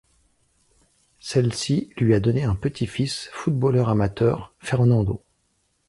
Celle-ci lui a donné un petit-fils, footballeur amateur, Fernando.